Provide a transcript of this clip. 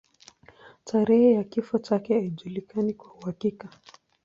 Tarehe ya kifo chake haijulikani kwa uhakika.